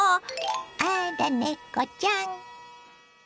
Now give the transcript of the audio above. あらネコちゃん！